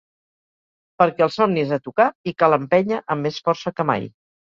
Perquè el somni és a tocar i cal empènyer amb més força que mai.